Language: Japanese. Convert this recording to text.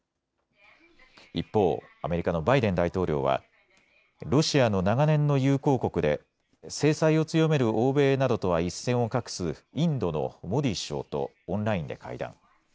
一方、アメリカのバイデン大統領はロシアの長年の友好国で制裁を強める欧米などとは一線を画すインドのモディ首相とオンラインで会談。